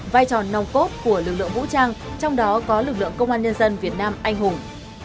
vai trò nòng cốt của lực lượng vũ trang trong đó có lực lượng công an nhân dân việt nam anh hùng